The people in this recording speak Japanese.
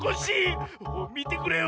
みてくれよ！